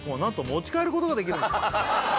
「持ち帰ることができるのです」